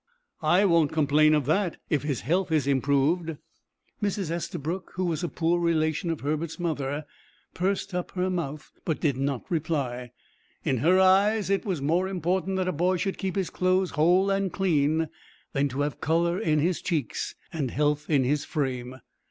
"I won't complain of that, if his health is improved." Mrs. Estabrook, who was a poor relation of Herbert's mother, pursed up her mouth, but did not reply. In her eyes, it was more important that a boy should keep his clothes whole and clean than to have color in his cheeks, and health in his frame.